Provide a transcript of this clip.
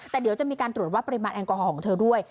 แต่เดี๋ยวจะมีการตรวจวัดปริมาณแอลกอฮอลของเธอด้วย